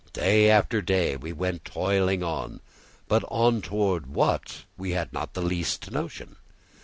Day after day we went toiling on, but on towards what, we had not the least notion.